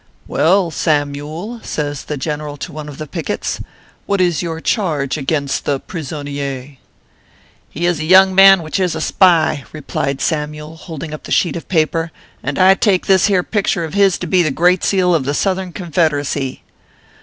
" Well, Samyule," says the general to one of the pickets, " what is your charge against the prisonier ?"" He is a young man which is a spy/ replied Sam yule, holding up the sheet of paper ;" and I take this here picture of his to be the Great Seal of the Southern Confederacy."